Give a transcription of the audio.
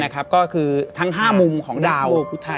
ก็คือทั้ง๕มุมของดาว